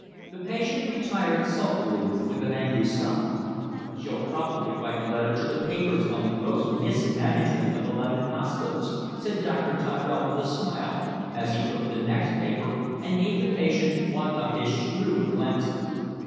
The patient retired sulkily, with an angry scowl. "She'll probably write a letter to the papers on the gross mismanagement of the London hospitals," said Dr. Tyrell, with a smile, as he took the next paper and gave the patient one of his shrewd glances.